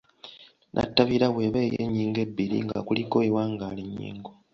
nnatabira bw’eba ey’ennyingo ebbiri nga kuliko ewangaala ennyingo